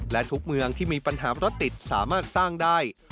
และทุกเมืองที่มีปัญหารถติดสามารถสร้างได้